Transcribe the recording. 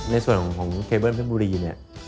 ในส่วนของเคเบิ้ลเพชรบุรีเนี่ย